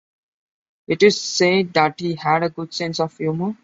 It is said that he had a good sense of humour.